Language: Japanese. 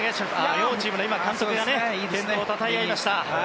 両チームの監督が検討をたたえ合いました。